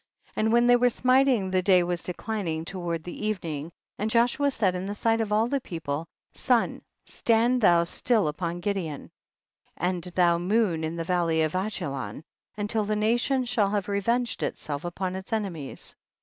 And when they were smiting, the day was declining toward evening, and Joshua said in the sight of all the people, sun, stand thou still up on Gibeon, and thou moon in the valley of Ajalon, until the nation shall have revenged itself upon its enemies.